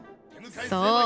そう。